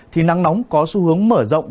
thì nắng nóng có xu hướng mở rộng